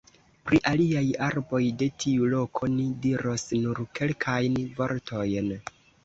Pri aliaj arboj de tiu loko ni diros nur kelkajn vortojn.